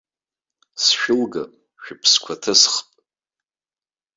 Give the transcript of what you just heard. Сшәылгап, шәыԥсқәа ҭысхп!